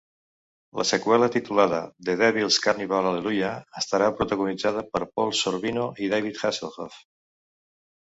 La seqüela, titulada "The Devil's Carnival: Alleluia", estarà protagonitzada per Paul Sorvino i David Hasselhoff.